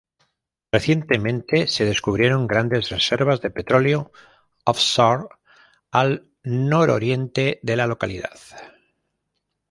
Recientemente se descubrieron grandes reservas de petróleo offshore al nororiente de la localidad.